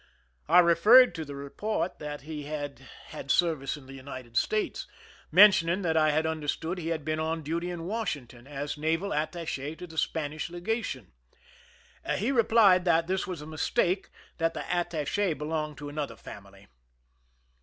I referred to the report that he 147 THE SINKINa OF THE "MEEEIMAC" had had service in the United States, mentioning that I had understood he had been on duty in Washington as naval attache to the Spanish lega tion. He replied that this was a mistake, that the attache belonged to another family.